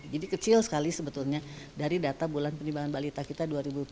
jadi kecil sekali sebetulnya dari data bulan penimbangan balita kita dua ribu tujuh belas